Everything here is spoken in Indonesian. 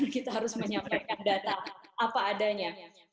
kita harus menyampaikan data apa adanya